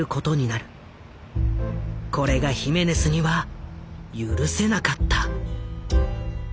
これがヒメネスには許せなかった。